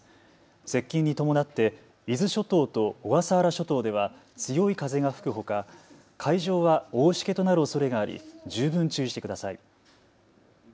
接近に伴って伊豆諸島と小笠原諸島では強い風が吹くほか海上は大しけとなるおそれがあり十分、注意してください。